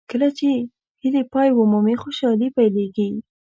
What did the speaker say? کله چې هیلې پای ومومي خوشالۍ پیلېږي.